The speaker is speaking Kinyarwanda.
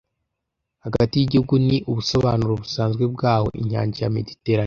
Hagati yigihugu ni ubusobanuro busanzwe bwaho inyanja ya Mediterane